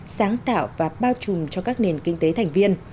sáng tạo và bao trùm cho các nền kinh tế thành viên